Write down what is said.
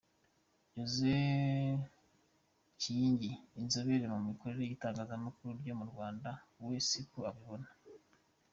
Jesse Kiyingi inzobere mu mikorere y’itangazamakuru ryo mu Rwanda we siko abibona.